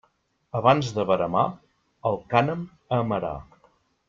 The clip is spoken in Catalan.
Abans de veremar, el cànem a amarar.